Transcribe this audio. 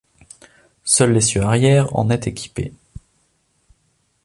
Seul l'essieu arrière en est équipé.